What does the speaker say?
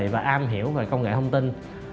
và am hiểu về công nghệ thông tin